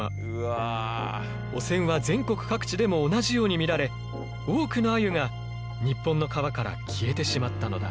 汚染は全国各地でも同じように見られ多くのアユが日本の川から消えてしまったのだ。